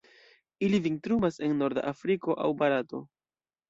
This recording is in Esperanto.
Ili vintrumas en norda Afriko aŭ Barato.